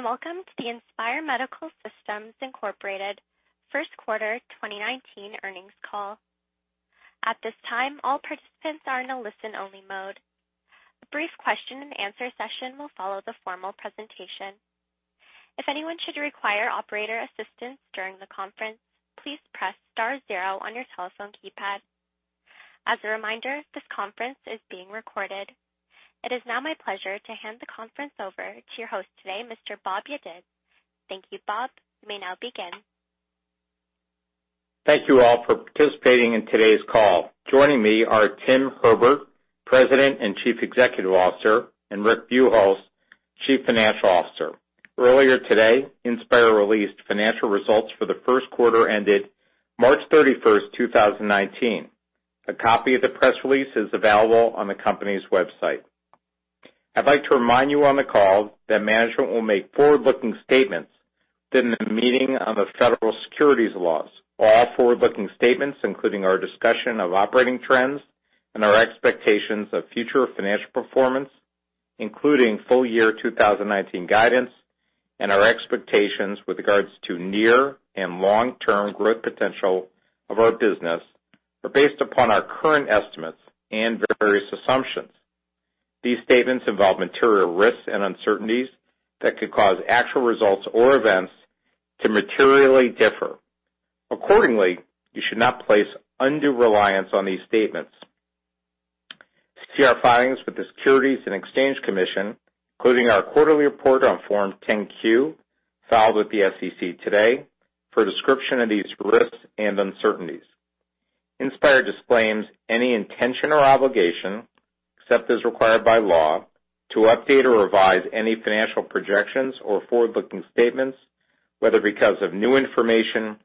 Welcome to the Inspire Medical Systems, Inc. First Quarter 2019 earnings call. At this time, all participants are in a listen-only mode. A brief question and answer session will follow the formal presentation. If anyone should require operator assistance during the conference, please press star zero on your telephone keypad. As a reminder, this conference is being recorded. It is now my pleasure to hand the conference over to your host today, Mr. Bob Yedid. Thank you, Bob. You may now begin. Thank you all for participating in today's call. Joining me are Tim Herbert, President and Chief Executive Officer, and Rick Buchholz, Chief Financial Officer. Earlier today, Inspire released financial results for the first quarter ended March 31, 2019. A copy of the press release is available on the company's website. I'd like to remind you on the call that management will make forward-looking statements within the meaning of the federal securities laws. All forward-looking statements, including our discussion of operating trends and our expectations of future financial performance, including full year 2019 guidance and our expectations with regards to near and long-term growth potential of our business, are based upon our current estimates and various assumptions. These statements involve material risks and uncertainties that could cause actual results or events to materially differ. Accordingly, you should not place undue reliance on these statements. See our filings with the Securities and Exchange Commission, including our quarterly report on Form 10-Q filed with the SEC today, for a description of these risks and uncertainties. Inspire disclaims any intention or obligation, except as required by law, to update or revise any financial projections or forward-looking statements, whether because of new information,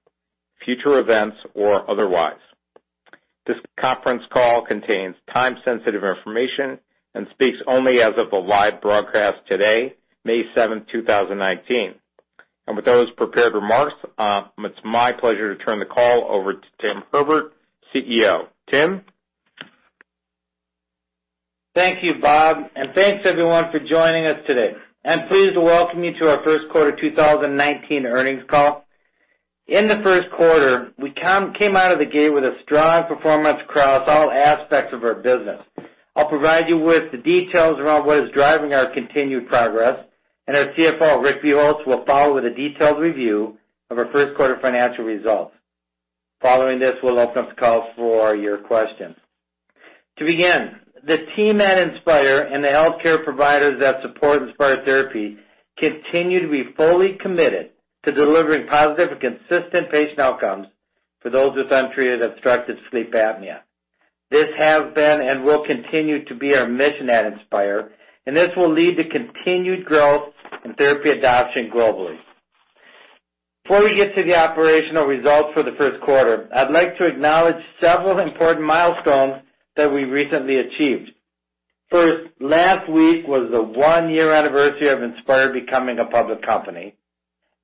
future events, or otherwise. This conference call contains time-sensitive information and speaks only as of the live broadcast today, May 7, 2019. With those prepared remarks, it's my pleasure to turn the call over to Tim Herbert, CEO. Tim? Thank you, Bob, and thanks everyone for joining us today. I'm pleased to welcome you to our first quarter 2019 earnings call. In the first quarter, we came out of the gate with a strong performance across all aspects of our business. I'll provide you with the details around what is driving our continued progress, our CFO, Rick Buchholz, will follow with a detailed review of our first quarter financial results. Following this, we'll open up the call for your questions. To begin, the team at Inspire and the healthcare providers that support Inspire therapy continue to be fully committed to delivering positive and consistent patient outcomes for those with untreated obstructive sleep apnea. This has been and will continue to be our mission at Inspire, this will lead to continued growth in therapy adoption globally. Before we get to the operational results for the first quarter, I'd like to acknowledge several important milestones that we recently achieved. First, last week was the one-year anniversary of Inspire becoming a public company.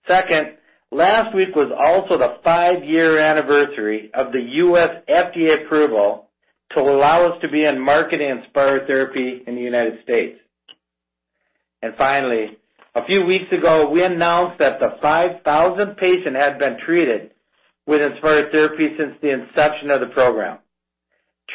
Second, last week was also the five-year anniversary of the U.S. FDA approval to allow us to be in market Inspire therapy in the United States. Finally, a few weeks ago, we announced that the 5,000th patient had been treated with Inspire therapy since the inception of the program.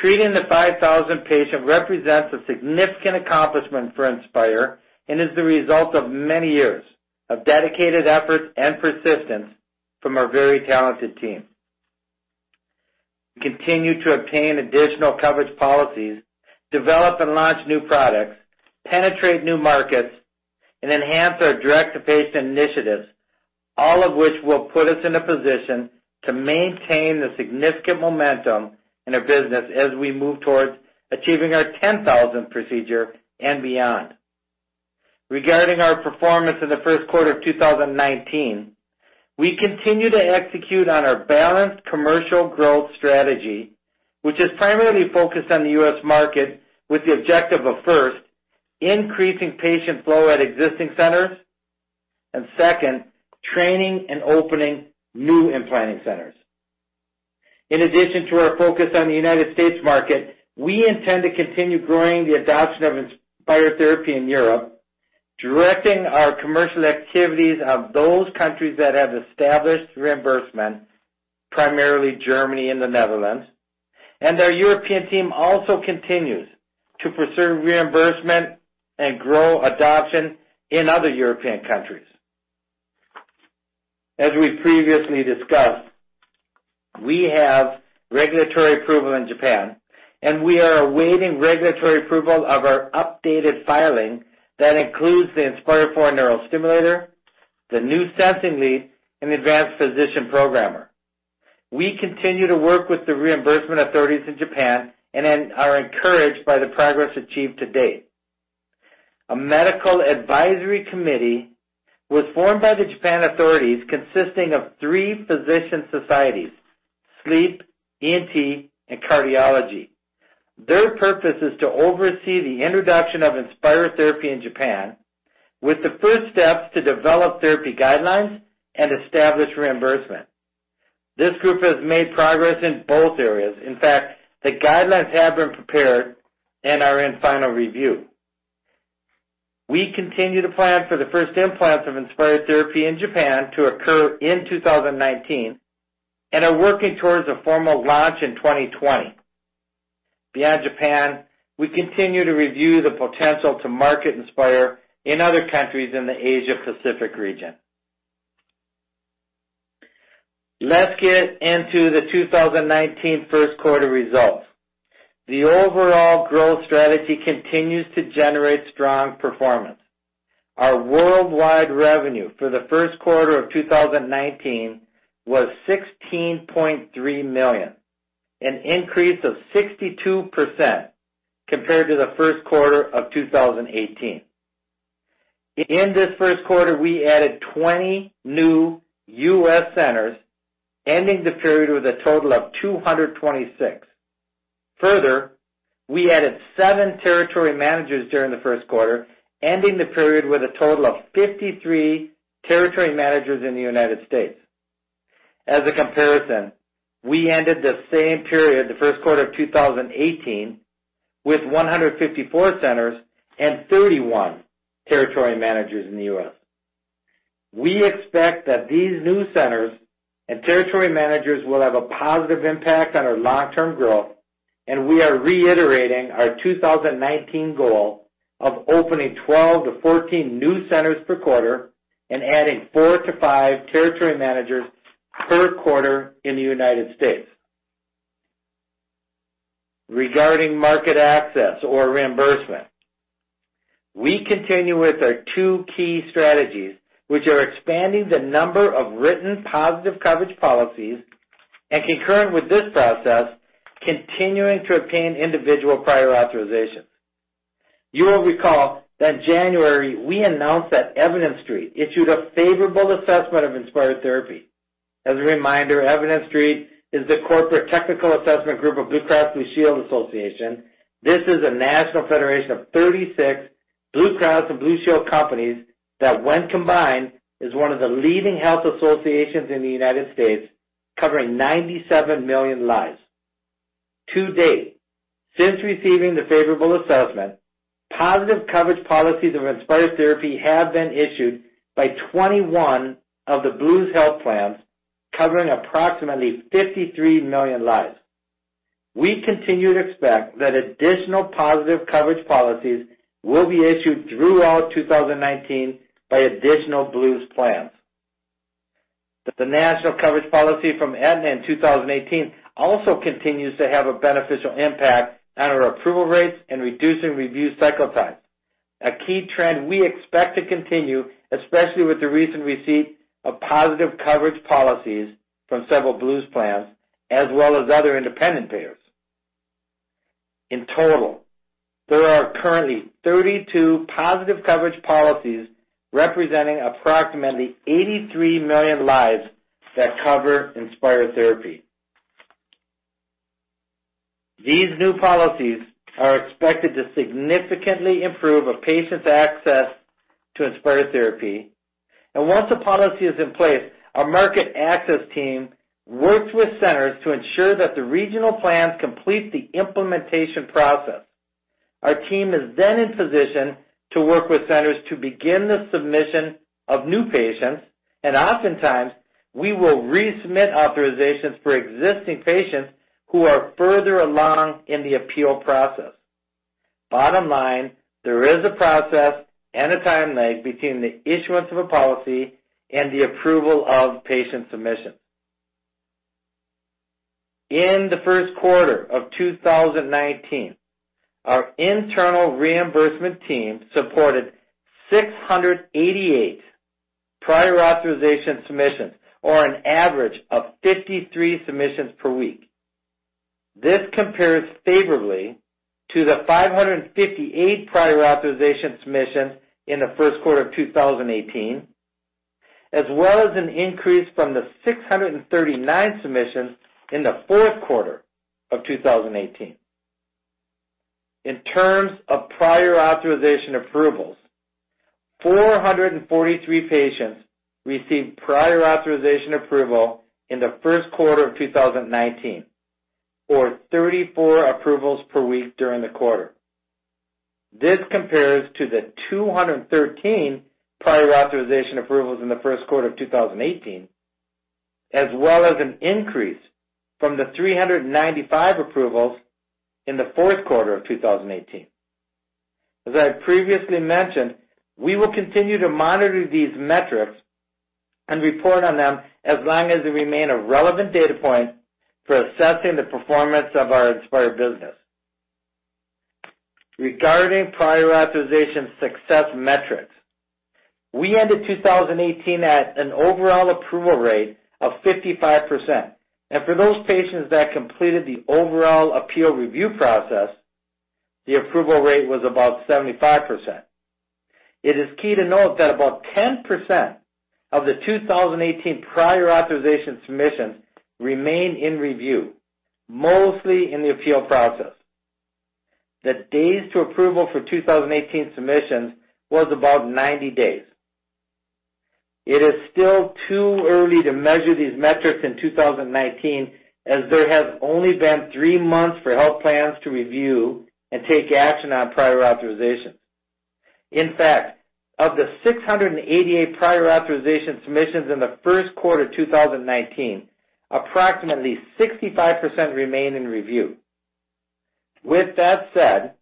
Treating the 5,000th patient represents a significant accomplishment for Inspire and is the result of many years of dedicated effort and persistence from our very talented team. We continue to obtain additional coverage policies, develop and launch new products, penetrate new markets, and enhance our direct-to-patient initiatives, all of which will put us in a position to maintain the significant momentum in our business as we move towards achieving our 10,000th procedure and beyond. Regarding our performance in the first quarter of 2019, we continue to execute on our balanced commercial growth strategy, which is primarily focused on the U.S. market with the objective of, first, increasing patient flow at existing centers, and second, training and opening new implanting centers. In addition to our focus on the United States market, we intend to continue growing the adoption of Inspire therapy in Europe, directing our commercial activities of those countries that have established reimbursement, primarily Germany and the Netherlands. Our European team also continues to pursue reimbursement and grow adoption in other European countries. As we previously discussed, we have regulatory approval in Japan. We are awaiting regulatory approval of our updated filing that includes the Inspire IV neurostimulator, the new sensing lead, and advanced physician programmer. We continue to work with the reimbursement authorities in Japan and are encouraged by the progress achieved to date. A medical advisory committee was formed by the Japan authorities consisting of three physician societies, sleep, ENT, and cardiology. Their purpose is to oversee the introduction of Inspire therapy in Japan with the first steps to develop therapy guidelines and establish reimbursement. This group has made progress in both areas. In fact, the guidelines have been prepared and are in final review. We continue to plan for the first implants of Inspire therapy in Japan to occur in 2019 and are working towards a formal launch in 2020. Beyond Japan, we continue to review the potential to market Inspire in other countries in the Asia Pacific region. Let's get into the 2019 first quarter results. The overall growth strategy continues to generate strong performance. Our worldwide revenue for the first quarter of 2019 was $16.3 million, an increase of 62% compared to the first quarter of 2018. In this first quarter, we added 20 new U.S. centers, ending the period with a total of 226. Further, we added seven territory managers during the first quarter, ending the period with a total of 53 territory managers in the United States. As a comparison, we ended the same period, the first quarter of 2018, with 154 centers and 31 territory managers in the U.S. We expect that these new centers and territory managers will have a positive impact on our long-term growth. We are reiterating our 2019 goal of opening 12-14 new centers per quarter and adding 4-5 territory managers per quarter in the U.S. Regarding market access or reimbursement, we continue with our two key strategies, which are expanding the number of written positive coverage policies and concurrent with this process, continuing to obtain individual prior authorizations. You will recall that January, we announced that Evidence Street issued a favorable assessment of Inspire therapy. As a reminder, Evidence Street is the corporate technical assessment group of Blue Cross Blue Shield Association. This is a national federation of 36 Blue Cross and Blue Shield companies that, when combined, is one of the leading health associations in the U.S., covering 97 million lives. To date, since receiving the favorable assessment, positive coverage policies of Inspire therapy have been issued by 21 of the Blues health plans, covering approximately 53 million lives. We continue to expect that additional positive coverage policies will be issued throughout 2019 by additional Blues plans. The national coverage policy from Aetna in 2018 also continues to have a beneficial impact on our approval rates and reducing review cycle times. A key trend we expect to continue, especially with the recent receipt of positive coverage policies from several Blues plans, as well as other independent payers. In total, there are currently 32 positive coverage policies representing approximately 83 million lives that cover Inspire therapy. These new policies are expected to significantly improve a patient's access to Inspire therapy. Once a policy is in place, our market access team works with centers to ensure that the regional plans complete the implementation process. Our team is then in position to work with centers to begin the submission of new patients, and oftentimes, we will resubmit authorizations for existing patients who are further along in the appeal process. Bottom line, there is a process and a time lag between the issuance of a policy and the approval of patient submissions. In the first quarter of 2019, our internal reimbursement team supported 688 prior authorization submissions or an average of 53 submissions per week. This compares favorably to the 558 prior authorization submissions in the first quarter of 2018, as well as an increase from the 639 submissions in the fourth quarter of 2018. In terms of prior authorization approvals, 443 patients received prior authorization approval in the first quarter of 2019 or 34 approvals per week during the quarter. This compares to the 213 prior authorization approvals in the first quarter of 2018, as well as an increase from the 395 approvals in the fourth quarter of 2018. As I previously mentioned, we will continue to monitor these metrics and report on them as long as they remain a relevant data point for assessing the performance of our Inspire business. Regarding prior authorization success metrics, we ended 2018 at an overall approval rate of 55%. For those patients that completed the overall appeal review process, the approval rate was about 75%. It is key to note that about 10% of the 2018 prior authorization submissions remain in review, mostly in the appeal process. The days to approval for 2018 submissions was about 90 days. It is still too early to measure these metrics in 2019, as there have only been three months for health plans to review and take action on prior authorizations. In fact, of the 688 prior authorization submissions in the first quarter of 2019, approximately 65% remain in review. With that said,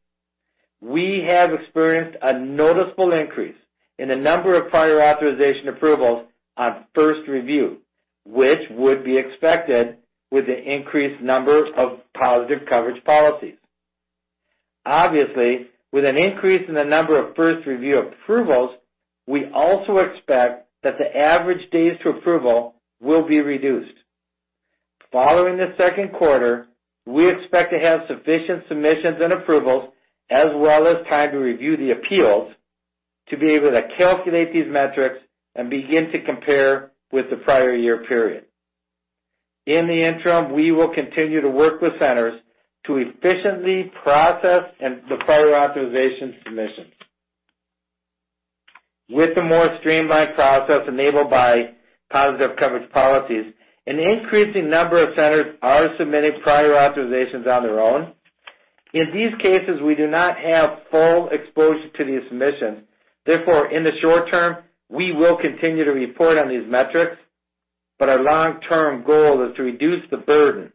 we have experienced a noticeable increase in the number of prior authorization approvals on first review, which would be expected with the increased number of positive coverage policies. With an increase in the number of first review approvals, we also expect that the average days to approval will be reduced. Following the second quarter, we expect to have sufficient submissions and approvals as well as time to review the appeals, to be able to calculate these metrics and begin to compare with the prior year period. In the interim, we will continue to work with centers to efficiently process the prior authorization submissions. With the more streamlined process enabled by positive coverage policies, an increasing number of centers are submitting prior authorizations on their own. In these cases, we do not have full exposure to the submission. In the short term, we will continue to report on these metrics, but our long-term goal is to reduce the burden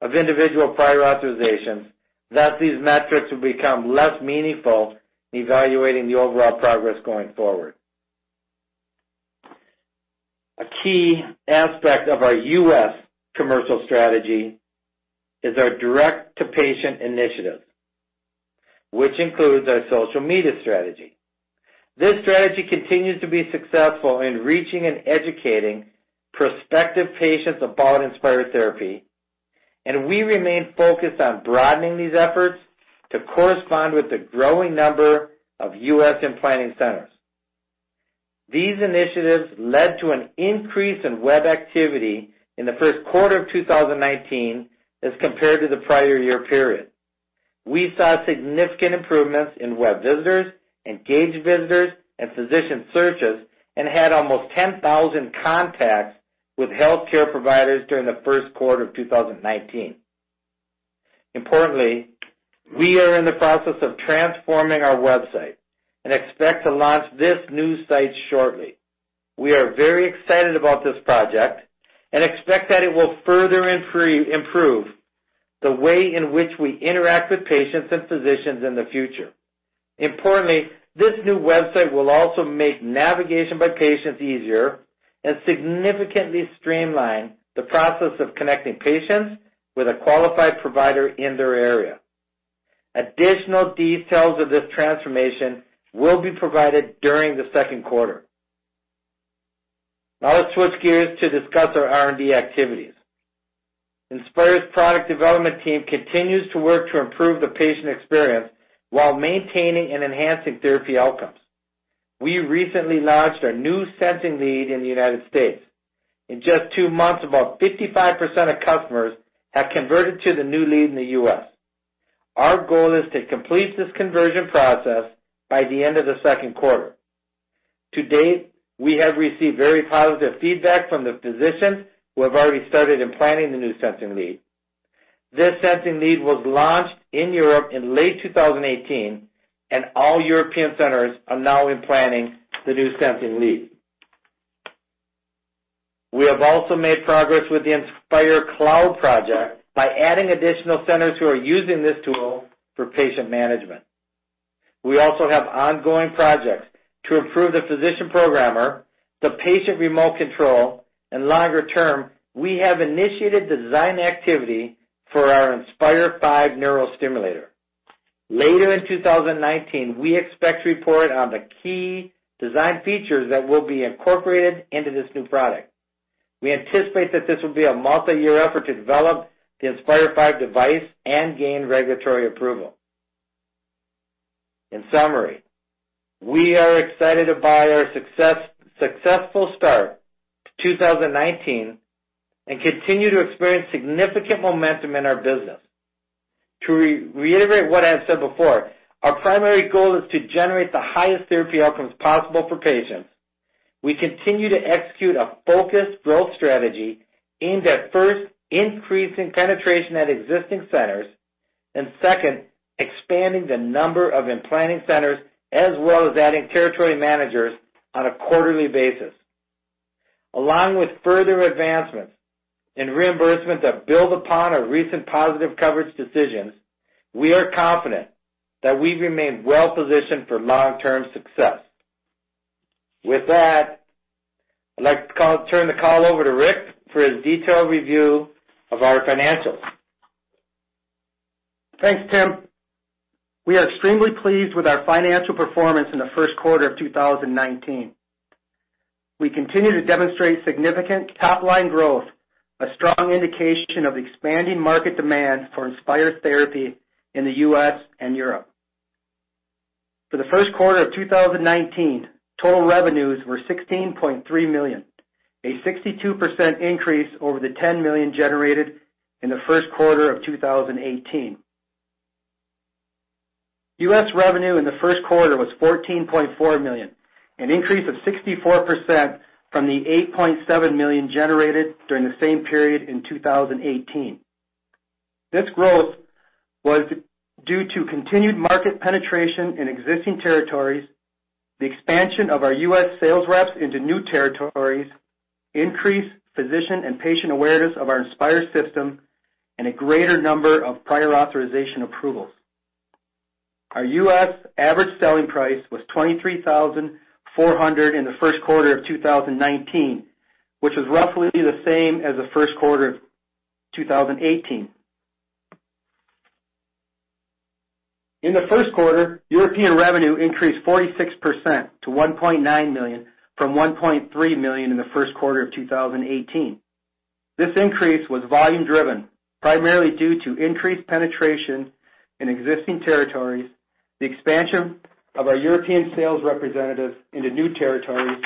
of individual prior authorizations that these metrics will become less meaningful in evaluating the overall progress going forward. A key aspect of our U.S. commercial strategy is our direct-to-patient initiative, which includes our social media strategy. This strategy continues to be successful in reaching and educating prospective patients about Inspire therapy, and we remain focused on broadening these efforts to correspond with the growing number of U.S. implanting centers. These initiatives led to an increase in web activity in the first quarter of 2019 as compared to the prior year period. We saw significant improvements in web visitors, engaged visitors, and physician searches, and had almost 10,000 contacts with healthcare providers during the first quarter of 2019. We are in the process of transforming our website and expect to launch this new site shortly. We are very excited about this project and expect that it will further improve the way in which we interact with patients and physicians in the future. This new website will also make navigation by patients easier and significantly streamline the process of connecting patients with a qualified provider in their area. Additional details of this transformation will be provided during the second quarter. Now let's switch gears to discuss our R&D activities. Inspire's product development team continues to work to improve the patient experience while maintaining and enhancing therapy outcomes. We recently launched our new sensing lead in the United States. In just two months, about 55% of customers have converted to the new lead in the U.S. Our goal is to complete this conversion process by the end of the second quarter. To date, we have received very positive feedback from the physicians who have already started implanting the new sensing lead. This sensing lead was launched in Europe in late 2018, and all European centers are now implanting the new sensing lead. We have also made progress with the Inspire Cloud project by adding additional centers who are using this tool for patient management. We also have ongoing projects to improve the physician programmer, the patient remote control, and longer term, we have initiated design activity for our Inspire 5 neurostimulator. Later in 2019, we expect to report on the key design features that will be incorporated into this new product. We anticipate that this will be a multi-year effort to develop the Inspire 5 device and gain regulatory approval. In summary, we are excited by our successful start to 2019 and continue to experience significant momentum in our business. To reiterate what I've said before, our primary goal is to generate the highest therapy outcomes possible for patients. We continue to execute a focused growth strategy aimed at, first, increasing penetration at existing centers and second, expanding the number of implanting centers as well as adding territory managers on a quarterly basis. Along with further advancements in reimbursement that build upon our recent positive coverage decisions, we are confident that we remain well-positioned for long-term success. With that, I'd like to turn the call over to Rick for his detailed review of our financials. Thanks, Tim. We are extremely pleased with our financial performance in the first quarter of 2019. We continue to demonstrate significant top-line growth, a strong indication of expanding market demand for Inspire therapy in the U.S. and Europe. For the first quarter of 2019, total revenues were $16.3 million, a 62% increase over the $10 million generated in the first quarter of 2018. U.S. revenue in the first quarter was $14.4 million, an increase of 64% from the $8.7 million generated during the same period in 2018. This growth was due to continued market penetration in existing territories, the expansion of our U.S. sales reps into new territories, increased physician and patient awareness of our Inspire system, and a greater number of prior authorization approvals. Our U.S. average selling price was $23,400 in the first quarter of 2019, which was roughly the same as the first quarter of 2018. In the first quarter, European revenue increased 46% to $1.9 million from $1.3 million in the first quarter of 2018. This increase was volume driven, primarily due to increased penetration in existing territories, the expansion of our European sales representative into new territories,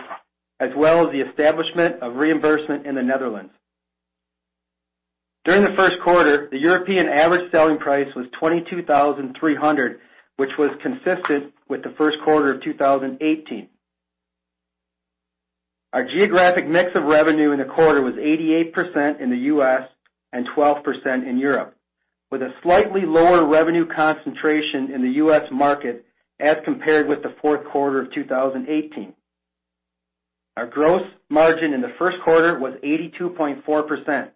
as well as the establishment of reimbursement in the Netherlands. During the first quarter, the European average selling price was $22,300, which was consistent with the first quarter of 2018. Our geographic mix of revenue in the quarter was 88% in the U.S. and 12% in Europe, with a slightly lower revenue concentration in the U.S. market as compared with the fourth quarter of 2018. Our gross margin in the first quarter was 82.4%,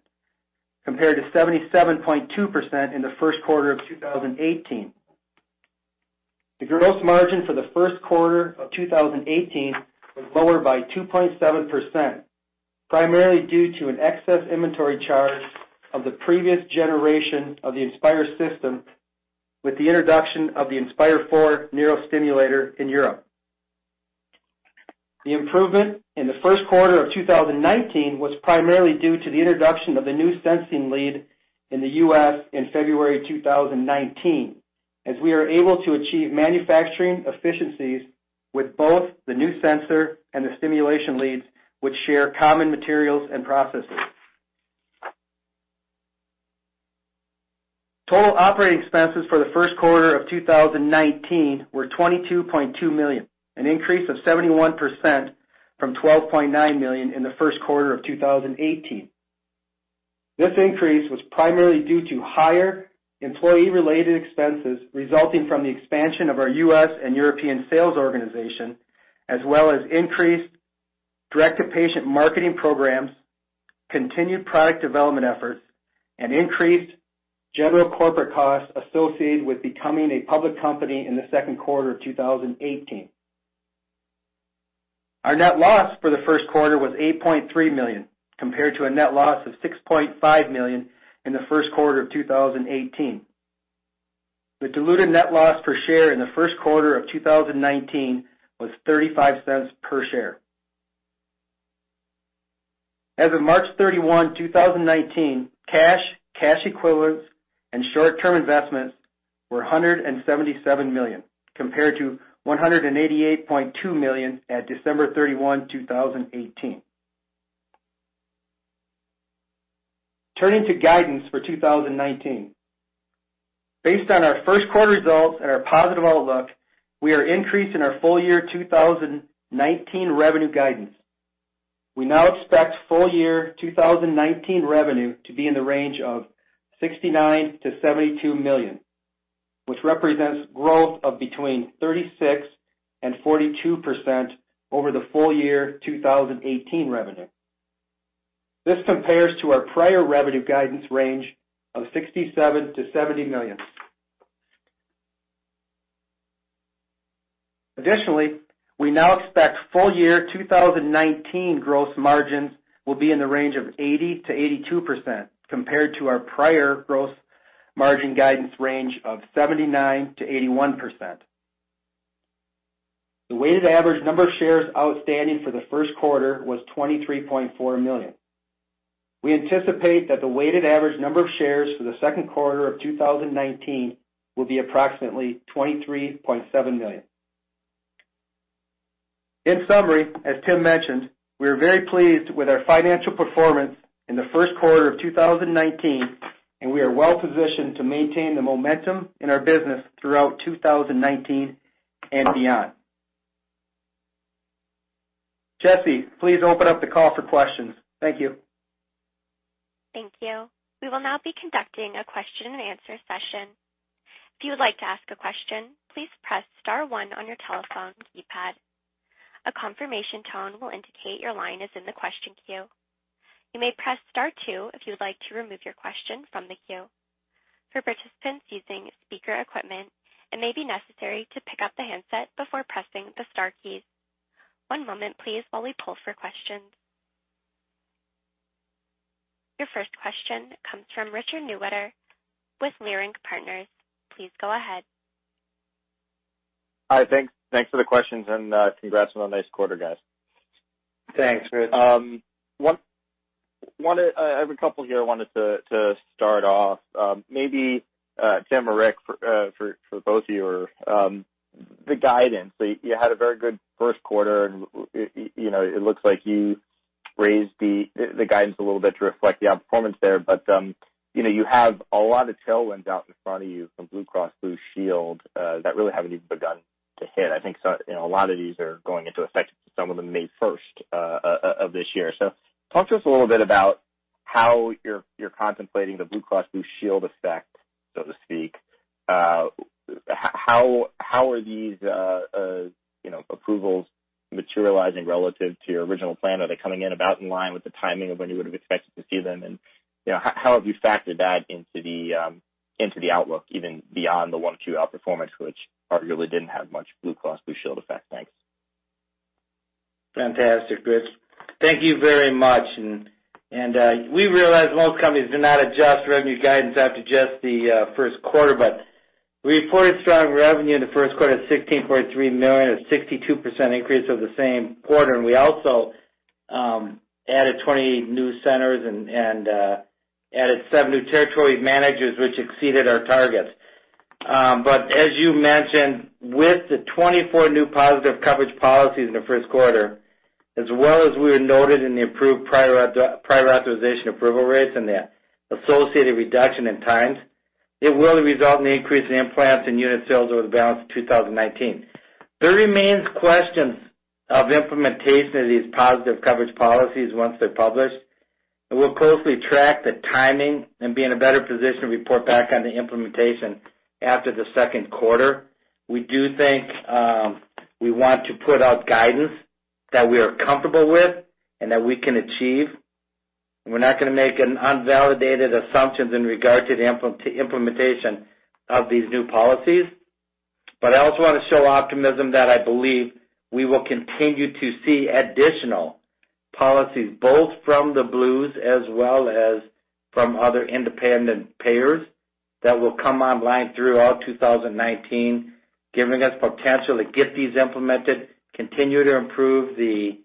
compared to 77.2% in the first quarter of 2018. The gross margin for the first quarter of 2018 was lower by 2.7%, primarily due to an excess inventory charge of the previous generation of the Inspire system with the introduction of the Inspire IV neurostimulator in Europe. The improvement in the first quarter of 2019 was primarily due to the introduction of the new sensing lead in the U.S. in February 2019, as we are able to achieve manufacturing efficiencies with both the new sensor and the stimulation leads, which share common materials and processes. Total operating expenses for the first quarter of 2019 were $22.2 million, an increase of 71% from $12.9 million in the first quarter of 2018. This increase was primarily due to higher employee-related expenses resulting from the expansion of our U.S. and European sales organization, as well as increased direct-to-patient marketing programs, continued product development efforts, and increased general corporate costs associated with becoming a public company in the second quarter of 2018. Our net loss for the first quarter was $8.3 million, compared to a net loss of $6.5 million in the first quarter of 2018. The diluted net loss per share in the first quarter of 2019 was $0.35 per share. As of March 31, 2019, cash equivalents, and short-term investments were $177 million, compared to $188.2 million at December 31, 2018. Turning to guidance for 2019. Based on our first quarter results and our positive outlook, we are increasing our full year 2019 revenue guidance. We now expect full year 2019 revenue to be in the range of $69 million-$72 million, which represents growth of between 36%-42% over the full year 2018 revenue. This compares to our prior revenue guidance range of $67 million-$70 million. Additionally, we now expect full year 2019 gross margins will be in the range of 80%-82%, compared to our prior gross margin guidance range of 79%-81%. The weighted average number of shares outstanding for the first quarter was 23.4 million. We anticipate that the weighted average number of shares for the second quarter of 2019 will be approximately 23.7 million. In summary, as Tim mentioned, we are very pleased with our financial performance in the first quarter of 2019, and we are well-positioned to maintain the momentum in our business throughout 2019 and beyond. Jesse, please open up the call for questions. Thank you. Thank you. We will now be conducting a question and answer session. If you would like to ask a question, please press star one on your telephone keypad. A confirmation tone will indicate your line is in the question queue. You may press star two if you would like to remove your question from the queue. For participants using speaker equipment, it may be necessary to pick up the handset before pressing the star keys. One moment please while we pull for questions. Your first question comes from Richard Newitter with Leerink Partners. Please go ahead. Hi. Thanks for the questions, and congrats on a nice quarter, guys. Thanks, Rich. I have a couple here I wanted to start off. Maybe Tim or Rick, for both of you, the guidance. You had a very good first quarter, and it looks like you raised the guidance a little bit to reflect the outperformance there. But you have a lot of tailwinds out in front of you from Blue Cross Blue Shield that really haven't even begun to hit. I think a lot of these are going into effect, some of them May 1st of this year. Talk to us a little bit about how you're contemplating the Blue Cross Blue Shield effect, so to speak. How are these approvals materializing relative to your original plan? Are they coming in about in line with the timing of when you would have expected to see them, and how have you factored that into the outlook, even beyond the one, two outperformance, which really didn't have much Blue Cross Blue Shield effect? Thanks. Fantastic, Rich. Thank you very much. We realize most companies do not adjust revenue guidance after just the first quarter, we reported strong revenue in the first quarter at $16.3 million, a 62% increase over the same quarter. We also added 20 new centers and added seven new territory managers, which exceeded our targets. As you mentioned, with the 24 new positive coverage policies in the first quarter, as well as we had noted in the approved prior authorization approval rates and the associated reduction in times, it will result in an increase in implants and unit sales over the balance of 2019. There remains questions of implementation of these positive coverage policies once they're published, we'll closely track the timing and be in a better position to report back on the implementation after the second quarter. We do think we want to put out guidance that we are comfortable with and that we can achieve. We're not going to make unvalidated assumptions in regard to the implementation of these new policies. I also want to show optimism that I believe we will continue to see additional policies, both from the Blues as well as from other independent payers that will come online throughout 2019, giving us potential to get these implemented, continue to improve the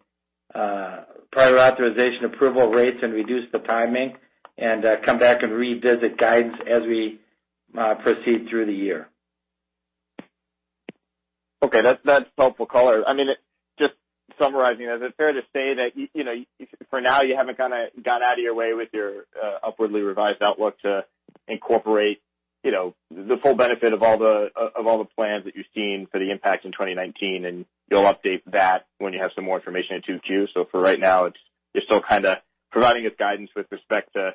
prior authorization approval rates, reduce the timing, and come back and revisit guides as we proceed through the year. Okay. That's helpful color. Just summarizing, is it fair to say that for now, you haven't got out of your way with your upwardly revised outlook to incorporate the full benefit of all the plans that you've seen for the impact in 2019, and you'll update that when you have some more information in 2Q? For right now, you're still kind of providing us guidance with respect to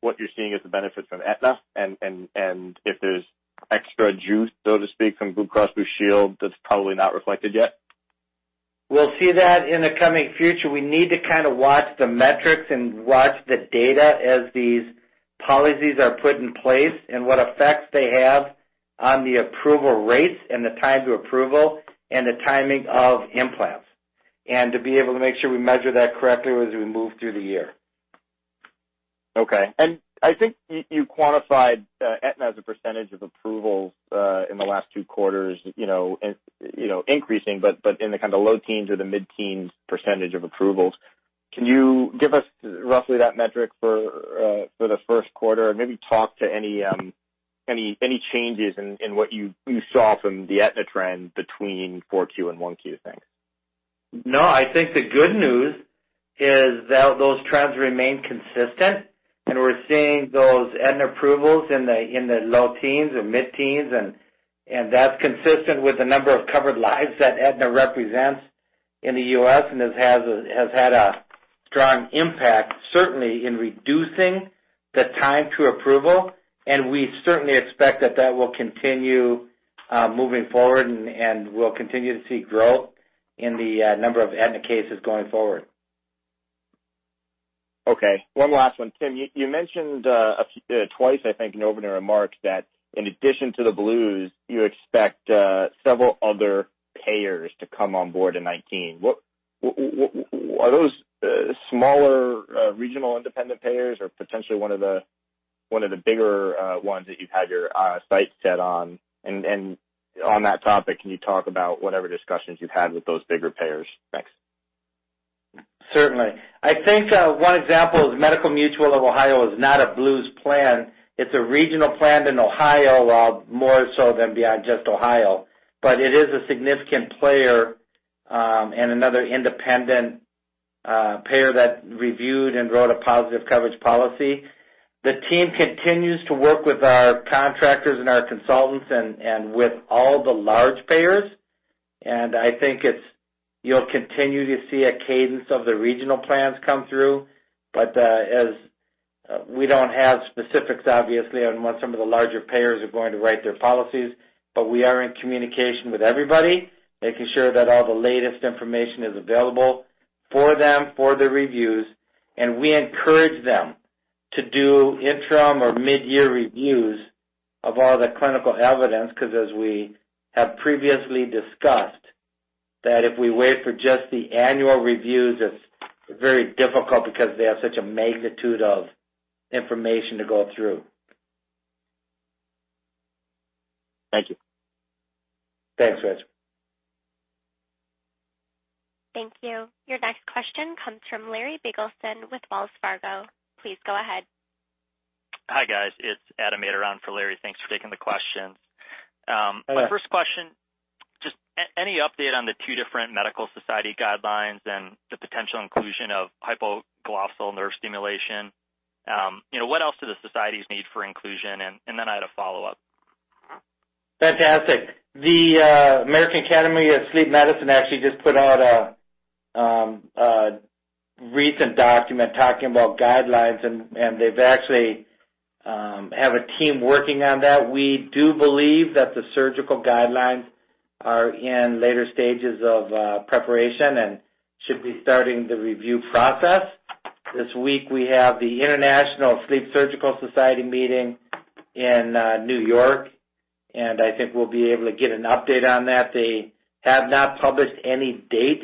what you're seeing as the benefit from Aetna, and if there's extra juice, so to speak, from Blue Cross Blue Shield that's probably not reflected yet? We'll see that in the coming future. We need to kind of watch the metrics and watch the data as these policies are put in place and what effects they have on the approval rates and the time to approval and the timing of implants. To be able to make sure we measure that correctly as we move through the year. Okay. I think you quantified Aetna as a percentage of approvals in the last two quarters increasing, but in the kind of low teens or the mid-teens percentage of approvals. Can you give us roughly that metric for the first quarter and maybe talk to any changes in what you saw from the Aetna trend between 4Q and 1Q? Thanks. No, I think the good news is that those trends remain consistent. We're seeing those Aetna approvals in the low teens or mid-teens. That's consistent with the number of covered lives that Aetna represents in the U.S. and has had a strong impact, certainly, in reducing the time to approval. We certainly expect that that will continue moving forward, and we'll continue to see growth in the number of Aetna cases going forward. Okay. One last one. Tim, you mentioned twice, I think, in opening remarks that in addition to the Blues, you expect several other payers to come on board in 2019. Are those smaller regional independent payers or potentially one of the bigger ones that you've had your sights set on? On that topic, can you talk about whatever discussions you've had with those bigger payers? Thanks. Certainly. I think one example is Medical Mutual of Ohio is not a Blues plan. It's a regional plan in Ohio, well, more so than beyond just Ohio. It is a significant player and another independent payer that reviewed and wrote a positive coverage policy. The team continues to work with our contractors and our consultants and with all the large payers. I think you'll continue to see a cadence of the regional plans come through. We don't have specifics, obviously, on when some of the larger payers are going to write their policies, but we are in communication with everybody, making sure that all the latest information is available for them, for the reviews, and we encourage them to do interim or mid-year reviews of all the clinical evidence, because as we have previously discussed, that if we wait for just the annual reviews, it's very difficult because they have such a magnitude of information to go through. Thank you. Thanks, Rich. Thank you. Your next question comes from Larry Biegelsen with Wells Fargo. Please go ahead. Hi, guys. It's Adam Maeder for Larry. Thanks for taking the questions. Hi. My first question, just any update on the two different medical society guidelines and the potential inclusion of hypoglossal nerve stimulation? What else do the societies need for inclusion? I had a follow-up. Fantastic. The American Academy of Sleep Medicine actually just put out a recent document talking about guidelines, and they actually have a team working on that. We do believe that the surgical guidelines are in later stages of preparation and should be starting the review process. This week, we have the International Surgical Sleep Society meeting in New York, and I think we'll be able to get an update on that. They have not published any date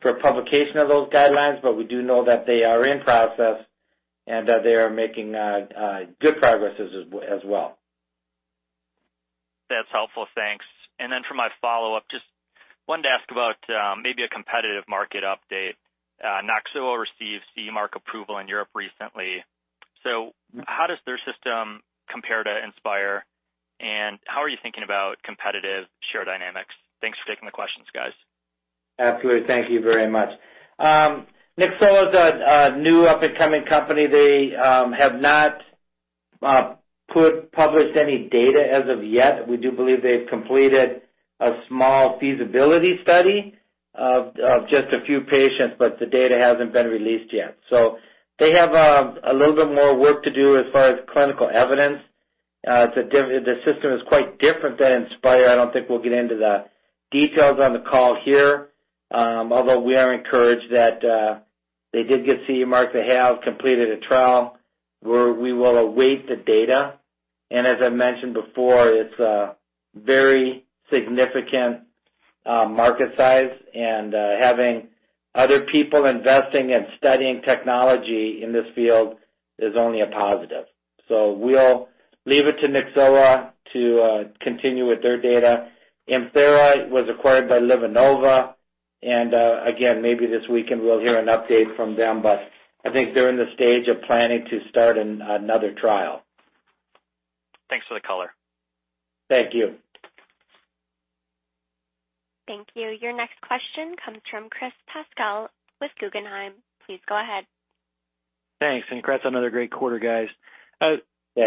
for publication of those guidelines, but we do know that they are in process and that they are making good progress as well. That's helpful. Thanks. For my follow-up, just wanted to ask about maybe a competitive market update. Nyxoah received CE mark approval in Europe recently. How does their system compare to Inspire, and how are you thinking about competitive share dynamics? Thanks for taking the questions, guys. Absolutely. Thank you very much. Nyxoah is a new up-and-coming company. They have not published any data as of yet. We do believe they've completed a small feasibility study of just a few patients, but the data hasn't been released yet. They have a little bit more work to do as far as clinical evidence. The system is quite different than Inspire. I don't think we'll get into the details on the call here. Although we are encouraged that they did get CE mark. They have completed a trial where we will await the data. As I mentioned before, it's a very significant market size, and having other people investing and studying technology in this field is only a positive. We'll leave it to Nyxoah to continue with their data. ImThera was acquired by LivaNova, and again, maybe this weekend we'll hear an update from them, but I think they're in the stage of planning to start another trial. Thanks for the color. Thank you. Thank you. Your next question comes from Chris Pasquale with Guggenheim. Please go ahead. Thanks, and congrats on another great quarter, guys. Yeah.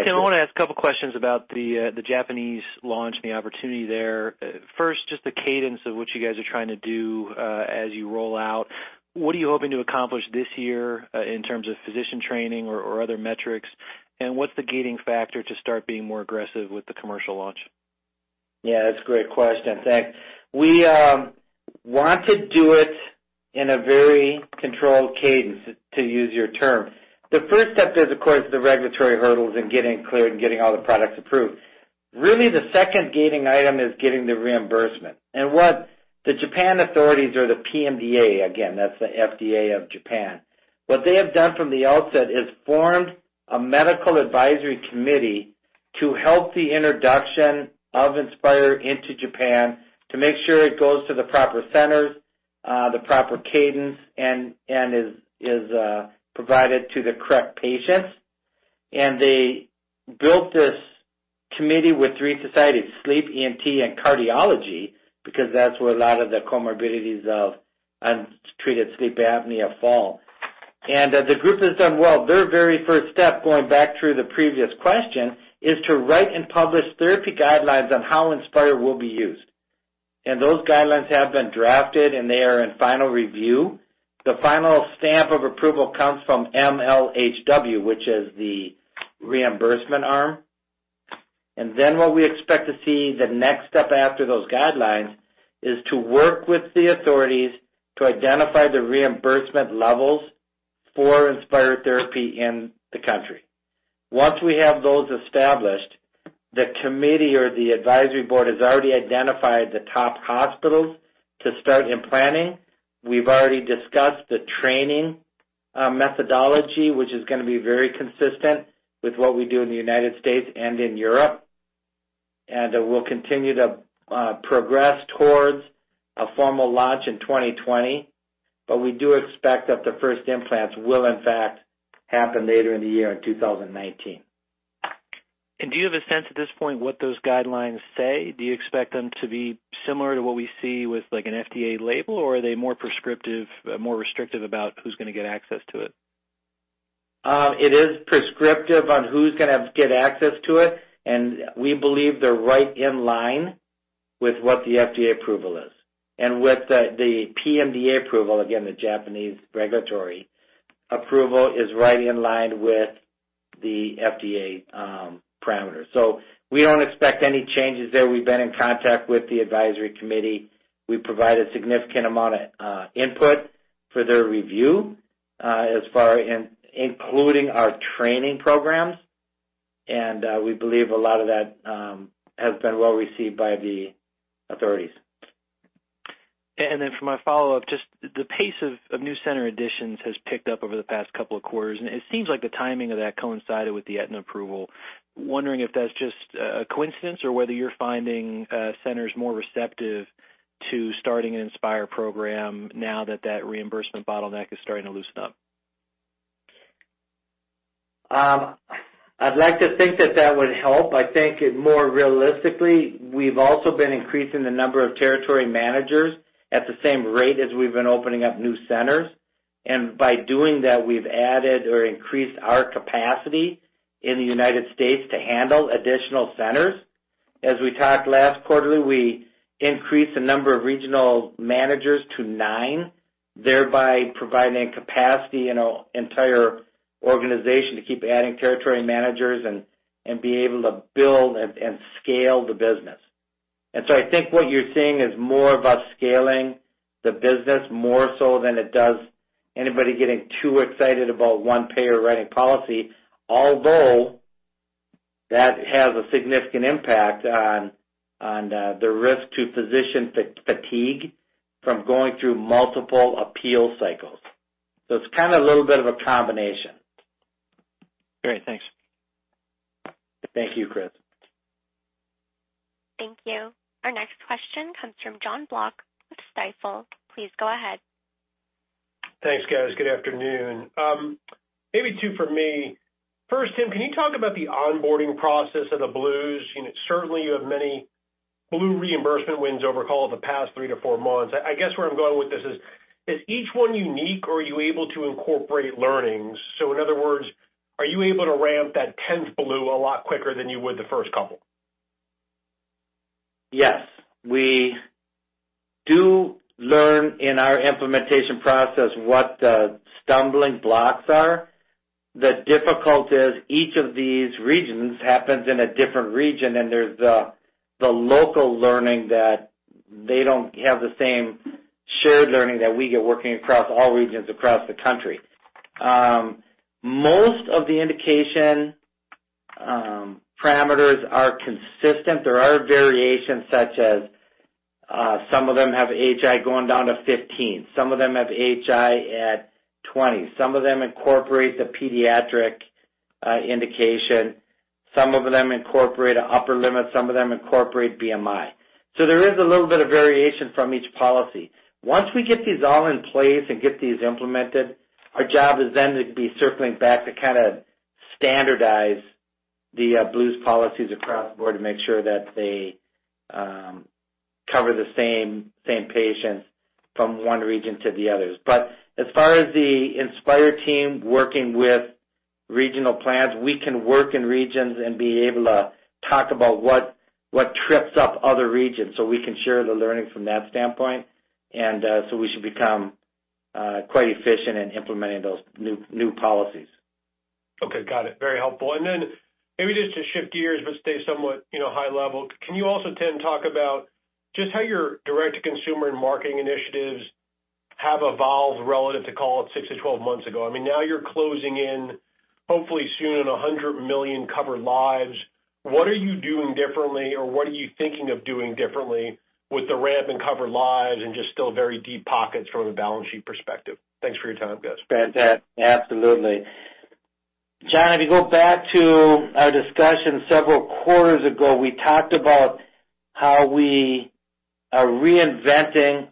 Tim, I want to ask a couple questions about the Japanese launch and the opportunity there. First, just the cadence of what you guys are trying to do as you roll out. What are you hoping to accomplish this year in terms of physician training or other metrics? What's the gating factor to start being more aggressive with the commercial launch? Yeah, that's a great question. Thanks. We want to do it in a very controlled cadence, to use your term. The first step is, of course, the regulatory hurdles and getting cleared and getting all the products approved. Really, the second gating item is getting the reimbursement. What the Japan authorities or the PMDA, again, that's the FDA of Japan. What they have done from the outset is formed a medical advisory committee to help the introduction of Inspire into Japan to make sure it goes to the proper centers, the proper cadence, and is provided to the correct patients. They built this committee with three societies, sleep, ENT, and cardiology, because that's where a lot of the comorbidities of untreated sleep apnea fall. The group has done well. Their very first step, going back to the previous question, is to write and publish therapy guidelines on how Inspire will be used. Those guidelines have been drafted, and they are in final review. The final stamp of approval comes from MHLW, which is the reimbursement arm. What we expect to see the next step after those guidelines is to work with the authorities to identify the reimbursement levels for Inspire therapy in the country. Once we have those established, the committee or the advisory board has already identified the top hospitals to start implanting. We've already discussed the training methodology, which is going to be very consistent with what we do in the United States and in Europe. We'll continue to progress towards a formal launch in 2020. We do expect that the first implants will in fact happen later in the year in 2019. Do you have a sense at this point what those guidelines say? Do you expect them to be similar to what we see with an FDA label, or are they more prescriptive, more restrictive about who's going to get access to it? It is prescriptive on who's going to get access to it, and we believe they're right in line with what the FDA approval is. With the PMDA approval, again, the Japanese regulatory approval is right in line with the FDA parameters. We don't expect any changes there. We've been in contact with the advisory committee. We provided a significant amount of input for their review, as far including our training programs. We believe a lot of that has been well received by the authorities. For my follow-up, just the pace of new center additions has picked up over the past couple of quarters, and it seems like the timing of that coincided with the Aetna approval. Wondering if that's just a coincidence or whether you're finding centers more receptive to starting an Inspire program now that that reimbursement bottleneck is starting to loosen up. I'd like to think that that would help. I think it more realistically, we've also been increasing the number of territory managers at the same rate as we've been opening up new centers. By doing that, we've added or increased our capacity in the United States to handle additional centers. As we talked last quarterly, we increased the number of regional managers to nine, thereby providing capacity in our entire organization to keep adding territory managers and be able to build and scale the business. I think what you're seeing is more of us scaling the business more so than it does anybody getting too excited about one payer writing policy. Although, that has a significant impact on the risk to physician fatigue from going through multiple appeal cycles. It's kind of a little bit of a combination. Great. Thanks. Thank you, Chris. Thank you. Our next question comes from Jon Block with Stifel. Please go ahead. Thanks, guys. Good afternoon. Maybe two for me. First, Tim, can you talk about the onboarding process of the Blues? Certainly, you have many Blue reimbursement wins over call it the past three to four months. I guess where I'm going with this is each one unique, or are you able to incorporate learnings? In other words, are you able to ramp that 10th Blue a lot quicker than you would the first couple? Yes. We do learn in our implementation process what the stumbling blocks are. The difficult is each of these regions happens in a different region, and there's the local learning that they don't have the same shared learning that we get working across all regions across the country. Most of the indication parameters are consistent. There are variations such as some of them have AHI going down to 15. Some of them have AHI at 20. Some of them incorporate the pediatric indication. Some of them incorporate an upper limit. Some of them incorporate BMI. There is a little bit of variation from each policy. Once we get these all in place and get these implemented, our job is then to be circling back to kind of standardize the Blues policies across the board to make sure that they cover the same patients from one region to the others. As far as the Inspire team working with regional plans, we can work in regions and be able to talk about what trips up other regions so we can share the learning from that standpoint. We should become quite efficient in implementing those new policies. Okay. Got it. Very helpful. Then maybe just to shift gears, but stay somewhat high level, can you also, Tim, talk about just how your direct-to-consumer and marketing initiatives have evolved relative to, call it, six to 12 months ago? Now you're closing in, hopefully soon, on 100 million covered lives. What are you doing differently, or what are you thinking of doing differently with the ramp in covered lives and just still very deep pockets from a balance sheet perspective? Thanks for your time, guys. Absolutely. Jon, if you go back to our discussion several quarters ago, we talked about how we are reinventing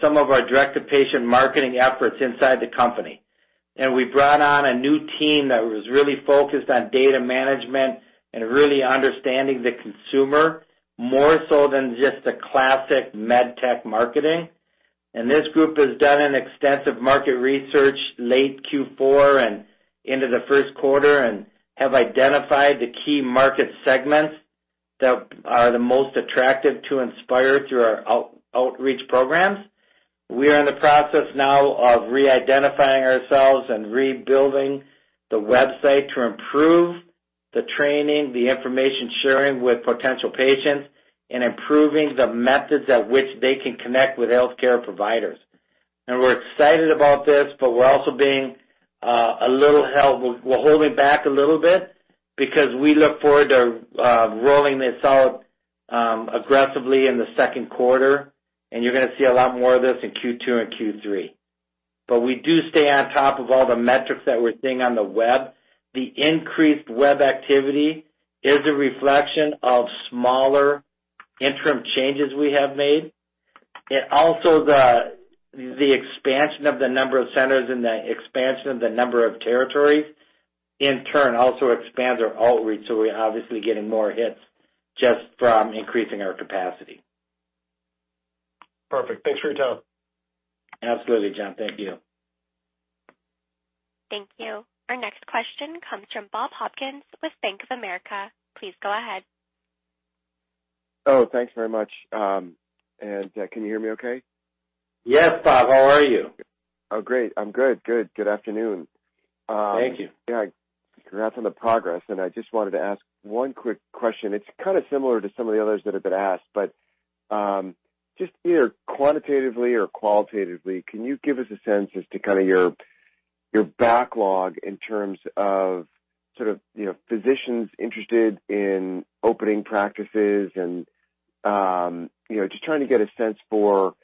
some of our direct-to-patient marketing efforts inside the company. We brought on a new team that was really focused on data management and really understanding the consumer more so than just the classic med tech marketing. This group has done an extensive market research late Q4 and into the first quarter and have identified the key market segments that are the most attractive to Inspire through our outreach programs. We are in the process now of re-identifying ourselves and rebuilding the website to improve the training, the information sharing with potential patients, and improving the methods at which they can connect with healthcare providers. We're excited about this, but we're also being a little held. We're holding back a little bit because we look forward to rolling this out aggressively in the second quarter, you're going to see a lot more of this in Q2 and Q3. We do stay on top of all the metrics that we're seeing on the web. The increased web activity is a reflection of smaller interim changes we have made. Also the expansion of the number of centers and the expansion of the number of territories in turn also expands our outreach, so we're obviously getting more hits just from increasing our capacity. Perfect. Thanks for your time. Absolutely, Jon. Thank you. Thank you. Our next question comes from Bob Hopkins with Bank of America. Please go ahead. Oh, thanks very much. Can you hear me okay? Yes, Bob. How are you? Oh, great. I'm good. Good afternoon. Thank you. Yeah. Congrats on the progress, and I just wanted to ask one quick question. It's kind of similar to some of the others that have been asked, but just either quantitatively or qualitatively, can you give us a sense as to kind of your your backlog in terms of physicians interested in opening practices and just trying to get a sense for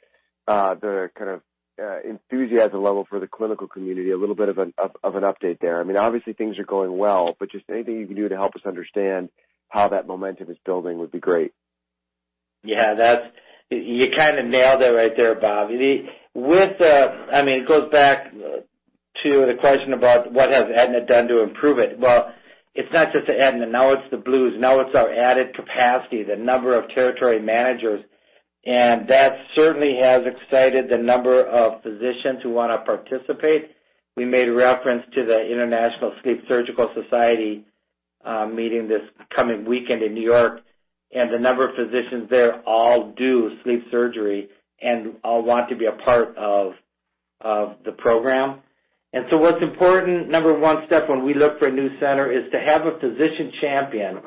the kind of enthusiasm level for the clinical community, a little bit of an update there. Obviously, things are going well, but just anything you can do to help us understand how that momentum is building would be great. Yeah. You kind of nailed it right there, Bob. It goes back to the question about what has Aetna done to improve it. Well, it's not just the Aetna, now it's the Blues, now it's our added capacity, the number of territory managers. That certainly has excited the number of physicians who want to participate. We made a reference to the International Surgical Sleep Society meeting this coming weekend in New York. The number of physicians there all do sleep surgery and all want to be a part of the program. What's important, number one step when we look for a new center, is to have a physician champion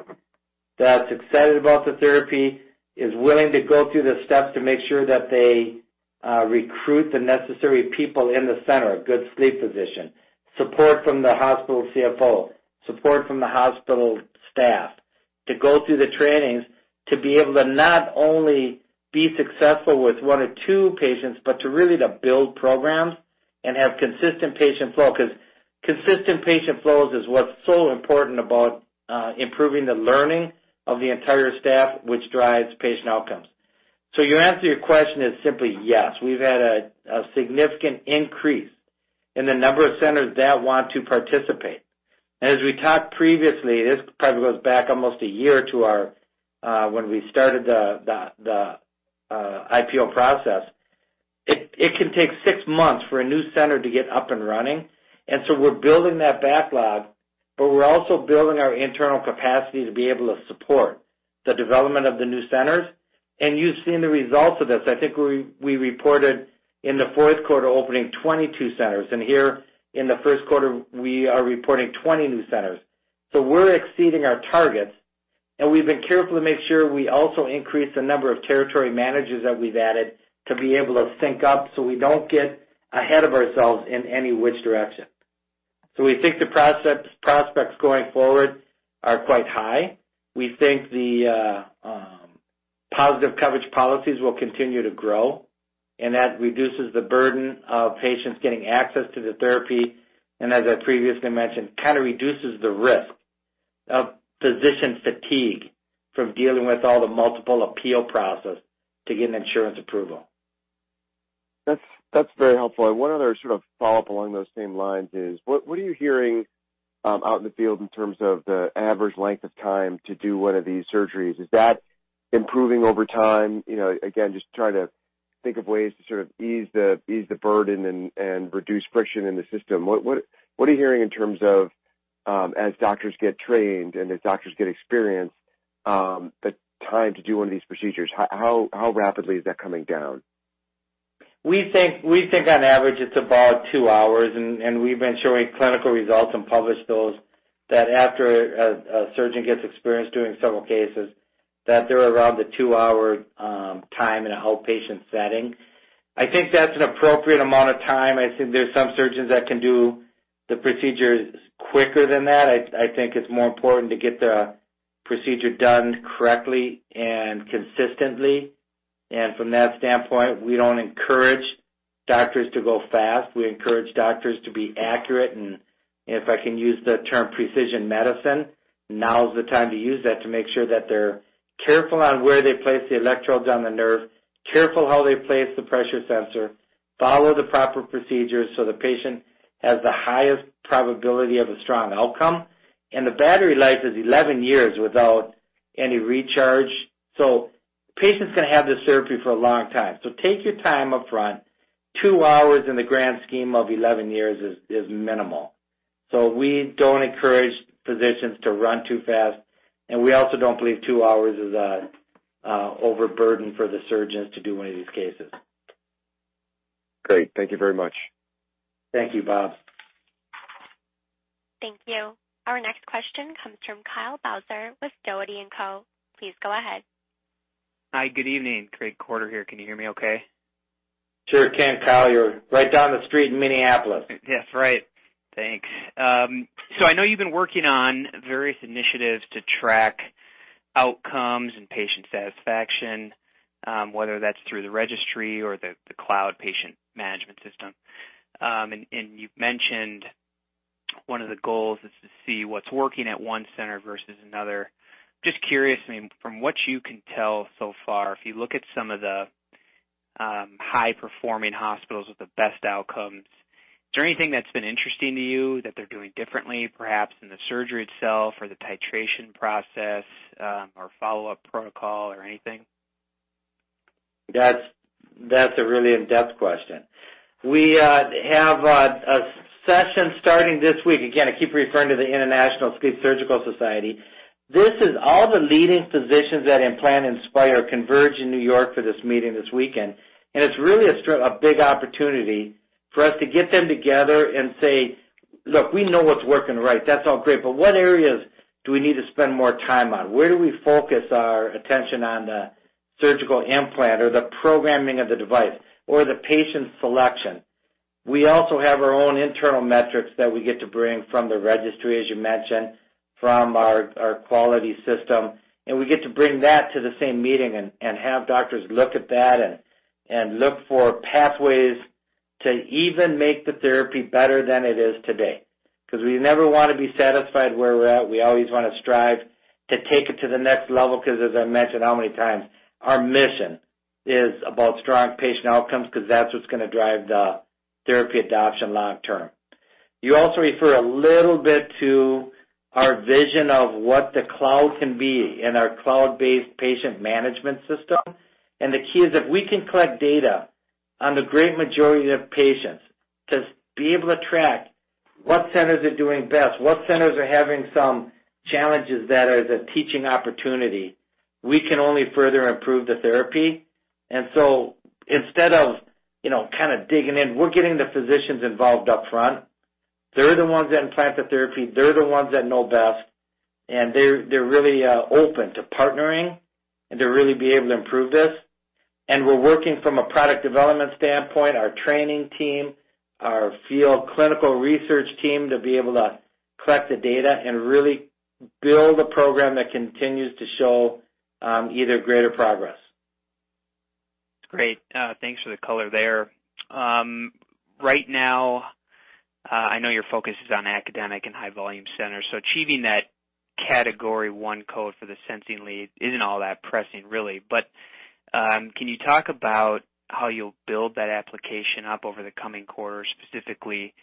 that's excited about the therapy, is willing to go through the steps to make sure that they recruit the necessary people in the center, a good sleep physician, support from the hospital CFO, support from the hospital staff to go through the trainings to be able to not only be successful with one or two patients, but to really build programs and have consistent patient flow. Consistent patient flows is what's so important about improving the learning of the entire staff, which drives patient outcomes. Your answer to your question is simply yes, we've had a significant increase in the number of centers that want to participate. As we talked previously, this probably goes back almost a year to when we started the IPO process. It can take six months for a new center to get up and running. We're building that backlog, but we're also building our internal capacity to be able to support the development of the new centers. You've seen the results of this. I think we reported in the fourth quarter opening 22 centers. Here in the first quarter, we are reporting 20 new centers. We're exceeding our targets. We've been careful to make sure we also increase the number of territory managers that we've added to be able to sync up so we don't get ahead of ourselves in any which direction. We think the prospects going forward are quite high. We think the positive coverage policies will continue to grow. That reduces the burden of patients getting access to the therapy. As I previously mentioned, kind of reduces the risk of physician fatigue from dealing with all the multiple appeal process to get an insurance approval. That's very helpful. One other sort of follow-up along those same lines is, what are you hearing out in the field in terms of the average length of time to do one of these surgeries? Is that improving over time? Again, just trying to think of ways to sort of ease the burden and reduce friction in the system. What are you hearing in terms of as doctors get trained and as doctors get experience, the time to do one of these procedures, how rapidly is that coming down? We think on average it's about two hours, and we've been showing clinical results and published those, that after a surgeon gets experience doing several cases, that they're around the two-hour time in an outpatient setting. I think that's an appropriate amount of time. I think there's some surgeons that can do the procedures quicker than that. I think it's more important to get the procedure done correctly and consistently. From that standpoint, we don't encourage doctors to go fast. We encourage doctors to be accurate, and if I can use the term precision medicine, now's the time to use that to make sure that they're careful on where they place the electrodes on the nerve, careful how they place the pressure sensor, follow the proper procedures so the patient has the highest probability of a strong outcome. The battery life is 11 years without any recharge. Patients can have this therapy for a long time. Take your time up front. Two hours in the grand scheme of 11 years is minimal. We don't encourage physicians to run too fast, and we also don't believe two hours is an overburden for the surgeons to do one of these cases. Great. Thank you very much. Thank you, Bob. Thank you. Our next question comes from Kyle Bauser with Dougherty & Co. Please go ahead. Hi, good evening. Great quarter here. Can you hear me okay? Sure can, Kyle. You're right down the street in Minneapolis. Yes, right. Thanks. I know you've been working on various initiatives to track outcomes and patient satisfaction, whether that's through the registry or the cloud patient management system. You've mentioned one of the goals is to see what's working at one center versus another. Just curious, from what you can tell so far, if you look at some of the high-performing hospitals with the best outcomes, is there anything that's been interesting to you that they're doing differently, perhaps in the surgery itself or the titration process, or follow-up protocol or anything? That's a really in-depth question. We have a session starting this week. Again, I keep referring to the International Surgical Sleep Society. This is all the leading physicians that implant Inspire converge in New York for this meeting this weekend. It's really a big opportunity for us to get them together and say, Look, we know what's working right. That's all great. What areas do we need to spend more time on? Where do we focus our attention on the surgical implant or the programming of the device or the patient selection? We also have our own internal metrics that we get to bring from the registry, as you mentioned, from our quality system. We get to bring that to the same meeting and have doctors look at that and look for pathways to even make the therapy better than it is today. We never want to be satisfied where we're at. We always want to strive to take it to the next level, because as I mentioned how many times, our mission is about strong patient outcomes, because that's what's going to drive the therapy adoption long term. You also refer a little bit to our vision of what the cloud can be and our cloud-based patient management system. The key is if we can collect data on the great majority of patients, to be able to track what centers are doing best, what centers are having some challenges that are the teaching opportunity, we can only further improve the therapy. So instead of digging in, we're getting the physicians involved up front. They're the ones that implant the therapy. They're the ones that know best. They're really open to partnering and to really be able to improve this. We're working from a product development standpoint, our training team, our field clinical research team, to be able to collect the data and really build a program that continues to show either greater progress. Great. Thanks for the color there. Right now, I know your focus is on academic and high volume centers, so achieving that category 1 code for the sensing lead isn't all that pressing, really. Can you talk about how you'll build that application up over the coming quarters, specifically,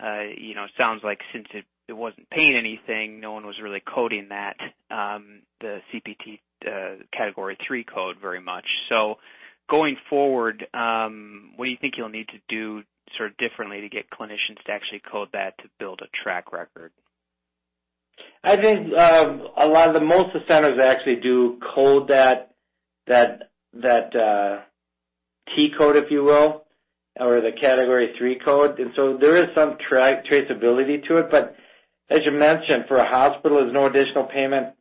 sounds like since it wasn't paying anything, no one was really coding that, the CPT category 3 code very much. Going forward, what do you think you'll need to do sort of differently to get clinicians to actually code that to build a track record? I think most of the centers actually do code that T code, if you will, or the category 3 code. There is some traceability to it. As you mentioned, for a hospital, there's no additional payment,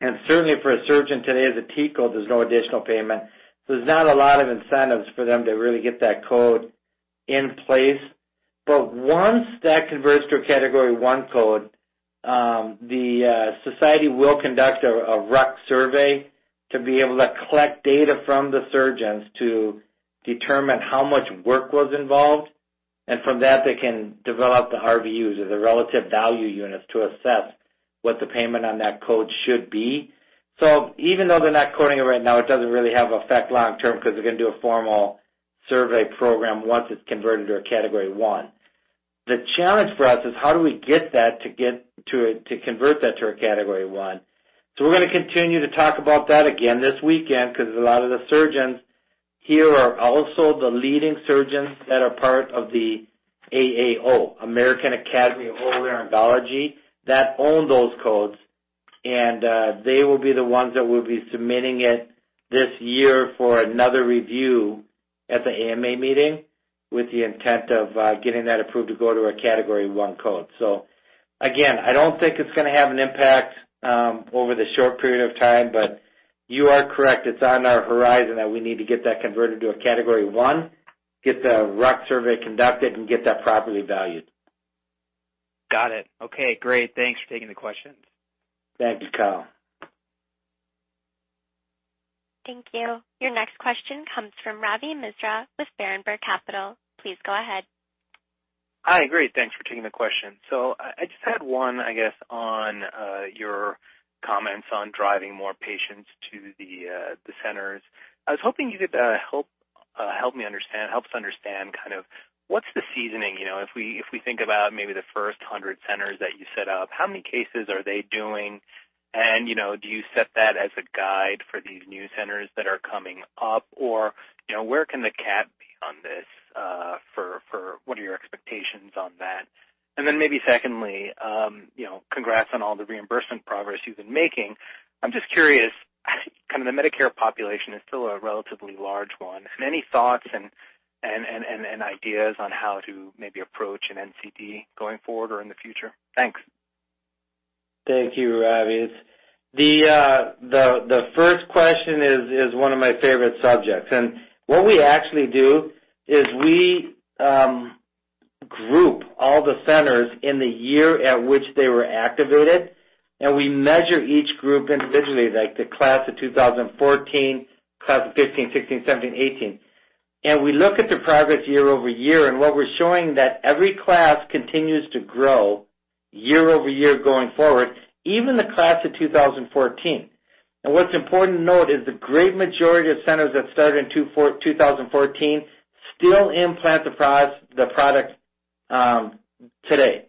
and certainly for a surgeon today as a T code, there's no additional payment. There's not a lot of incentives for them to really get that code in place. Once that converts to a category 1 code, the society will conduct a RUC survey to be able to collect data from the surgeons to determine how much work was involved. From that, they can develop the RVUs or the relative value units to assess what the payment on that code should be. Even though they're not coding it right now, it doesn't really have effect long term because they're going to do a formal survey program once it's converted to a category 1. The challenge for us is how do we get that to convert that to a category 1. We're going to continue to talk about that again this weekend because a lot of the surgeons here are also the leading surgeons that are part of the AAO, American Academy of Otolaryngology, that own those codes. They will be the ones that will be submitting it this year for another review at the AMA meeting with the intent of getting that approved to go to a category 1 code. Again, I don't think it's going to have an impact over the short period of time, but you are correct. It's on our horizon that we need to get that converted to a category 1, get the rec survey conducted, and get that properly valued. Got it. Okay, great. Thanks for taking the questions. Thank you, Kyle. Thank you. Your next question comes from Ravi Misra with Berenberg Capital Markets. Please go ahead. Hi. Great. Thanks for taking the question. I just had one, I guess, on your comments on driving more patients to the centers. I was hoping you could help us understand kind of what's the seasoning. If we think about maybe the first 100 centers that you set up, how many cases are they doing? And do you set that as a guide for these new centers that are coming up? Or where can the cap be on this? What are your expectations on that? And then maybe secondly, congrats on all the reimbursement progress you've been making. I'm just curious, kind of the Medicare population is still a relatively large one. Any thoughts and ideas on how to maybe approach an NCD going forward or in the future? Thanks. Thank you, Ravi. The first question is one of my favorite subjects. What we actually do is we group all the centers in the year at which they were activated, and we measure each group individually, like the class of 2014, class of 2015, 2016, 2017, 2018. We look at the progress year-over-year, and what we're showing that every class continues to grow year-over-year going forward, even the class of 2014. What's important to note is the great majority of centers that started in 2014 still implant the product today.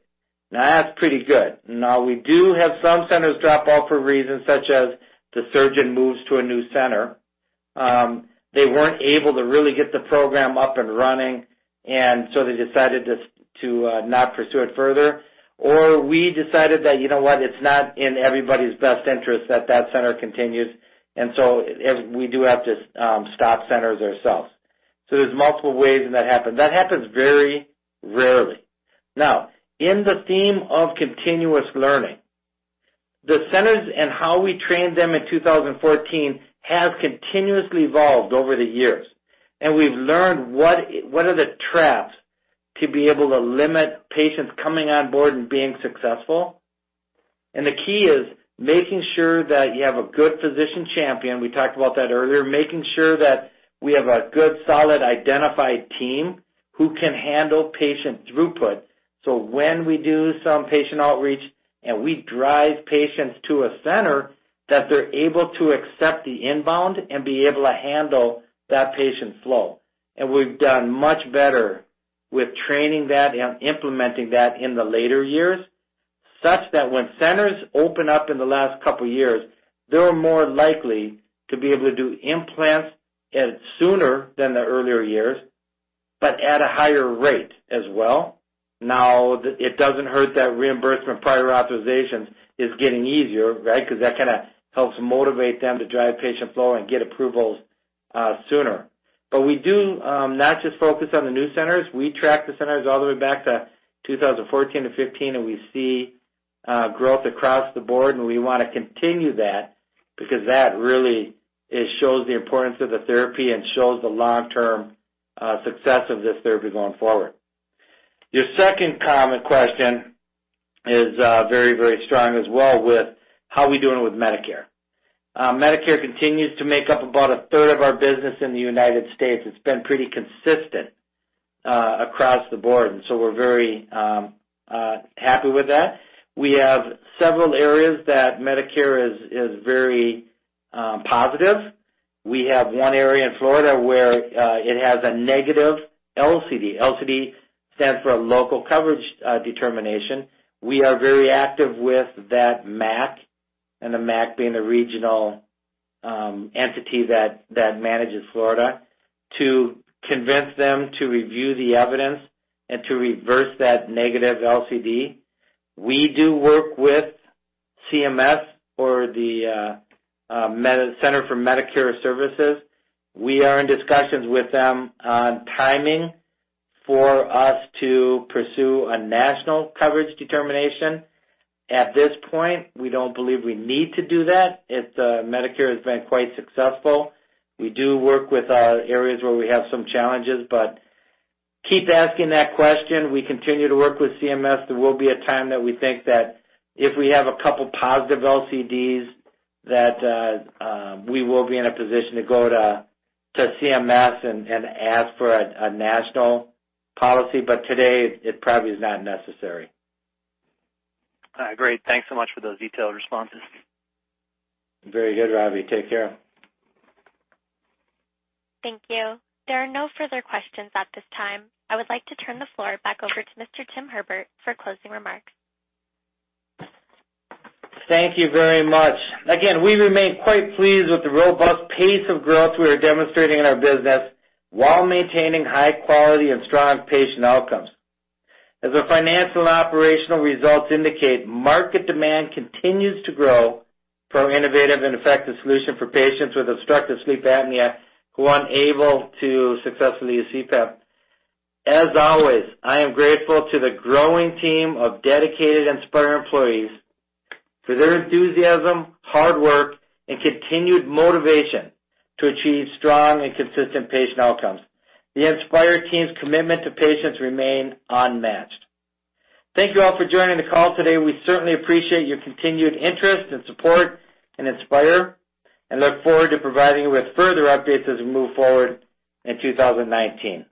That's pretty good. We do have some centers drop off for reasons such as the surgeon moves to a new center. They weren't able to really get the program up and running, and so they decided to not pursue it further. We decided that, you know what, it's not in everybody's best interest that that center continues. We do have to stop centers ourselves. There's multiple ways that happen. That happens very rarely. In the theme of continuous learning, the centers and how we trained them in 2014 has continuously evolved over the years, and we've learned what are the traps to be able to limit patients coming on board and being successful. The key is making sure that you have a good physician champion, we talked about that earlier, making sure that we have a good, solid, identified team who can handle patient throughput. When we do some patient outreach and we drive patients to a center, that they're able to accept the inbound and be able to handle that patient flow. We've done much better with training that and implementing that in the later years, such that when centers open up in the last couple of years, they're more likely to be able to do implants sooner than the earlier years, but at a higher rate as well. It doesn't hurt that reimbursement prior authorization is getting easier. Because that kind of helps motivate them to drive patient flow and get approvals sooner. We do not just focus on the new centers. We track the centers all the way back to 2014 to 2015, and we see growth across the board, and we want to continue that because that really shows the importance of the therapy and shows the long-term success of this therapy going forward. Your second comment question is very strong as well with how we're doing with Medicare. Medicare continues to make up about a third of our business in the U.S. It's been pretty consistent across the board, and so we're very happy with that. We have several areas that Medicare is very positive. We have one area in Florida where it has a negative LCD. LCD stands for a Local Coverage Determination. We are very active with that MAC, and the MAC being the regional entity that manages Florida, to convince them to review the evidence and to reverse that negative LCD. We do work with CMS or the Centers for Medicare Services. We are in discussions with them on timing for us to pursue a National Coverage Determination. At this point, we don't believe we need to do that. Medicare has been quite successful. We do work with areas where we have some challenges, keep asking that question. We continue to work with CMS. There will be a time that we think that if we have a couple positive LCDs, that we will be in a position to go to CMS and ask for a national policy. Today, it probably is not necessary. All right. Great. Thanks so much for those detailed responses. Very good, Ravi. Take care. Thank you. There are no further questions at this time. I would like to turn the floor back over to Mr. Tim Herbert for closing remarks. Thank you very much. Again, we remain quite pleased with the robust pace of growth we are demonstrating in our business while maintaining high quality and strong patient outcomes. As our financial and operational results indicate, market demand continues to grow for our innovative and effective solution for patients with obstructive sleep apnea who are unable to successfully use CPAP. As always, I am grateful to the growing team of dedicated Inspire employees for their enthusiasm, hard work, and continued motivation to achieve strong and consistent patient outcomes. The Inspire team's commitment to patients remains unmatched. Thank you all for joining the call today. We certainly appreciate your continued interest and support in Inspire and look forward to providing you with further updates as we move forward in 2019.